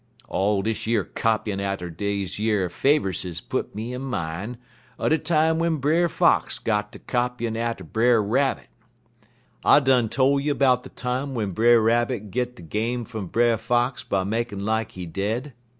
"All dish yer copyin' atter deze yer Faverses put me in min' er de time w'en Brer Fox got ter copyin' atter Brer Rabbit. I done tole you 'bout de time w'en Brer Rabbit git de game fum Brer Fox by makin' like he dead?"